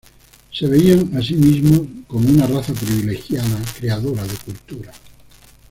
Se veían a sí mismos como una raza privilegiada creadora de cultura.